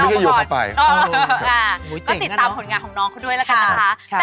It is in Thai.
ไม่เคยอยู่ทั้งฝ่ายโอ้โฮอ่ะติดตามผลงานของน้องเขาด้วยละกันนะคะ